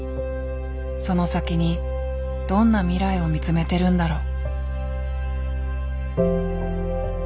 その先にどんな未来を見つめてるんだろう。